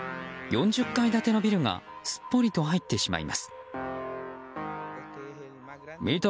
４０階建てのビルがすっぽりと入ってしまいます。